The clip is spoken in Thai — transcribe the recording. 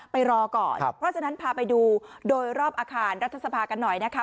ไปรอก่อนเพราะฉะนั้นพาไปดูโดยรอบอาคารรัฐสภากันหน่อยนะคะ